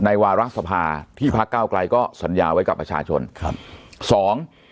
วาระสภาที่พักเก้าไกลก็สัญญาไว้กับประชาชนครับสอง